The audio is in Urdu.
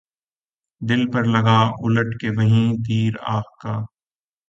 دل پر لگا اُلٹ کے وہیں تیر آہ کا